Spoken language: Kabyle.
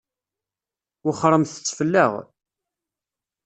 Wexxṛemt-tt fell-aɣ.